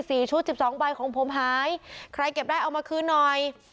ชุดสิบสองใบของผมหายใครเก็บได้เอามาคืนหน่อย